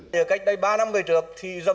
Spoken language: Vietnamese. kết quả sau đó có tormentation